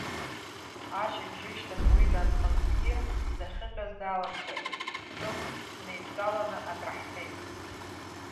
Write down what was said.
Ашьыбжьышьҭахь уи данхынҳәгьы, дахьыҟаз даламцәажәеит, ҿымҭ ҳнеидтәаланы акраҳфеит.